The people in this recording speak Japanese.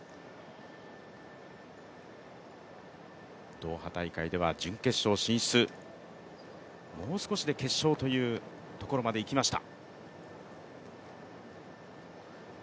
ドーハ大会では準決勝進出、もう少しで決勝というところまでいきました。